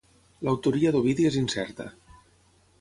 L'autoria d'Ovidi és incerta.